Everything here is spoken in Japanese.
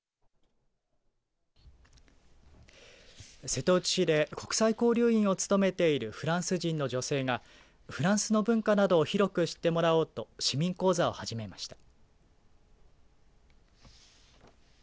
瀬戸内市で国際交流員を務めているフランス人の女性がフランスの文化などを広く知ってもらおうと市民講座を始めました。